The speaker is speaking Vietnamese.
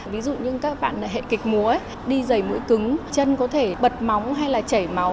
ví dụ như các bạn hệ múa đi dày mũi cứng chân có thể bật móng hay là chảy máu